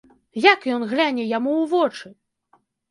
Як ён гляне яму ў вочы?